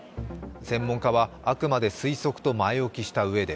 専門家は、あくまで推測と前置きしたうえで